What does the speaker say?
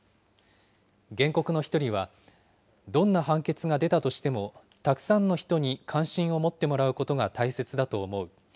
原告の１人は、どんな判決が出たとしてもたくさんの人に関心を持ってもらうことが大切だと思う。